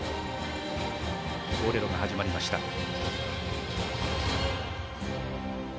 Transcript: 「ボレロ」が始まりました。